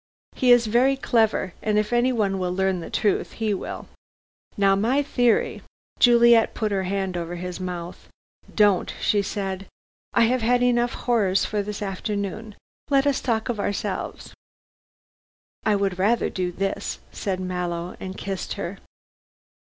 He is very clever, and if anyone will learn the truth, he will. Now, my theory " Juliet put her hand over his mouth. "Don't," she said. "I have had enough horrors for this afternoon. Let us talk of ourselves." "I would rather do this," said Mallow, and kissed her.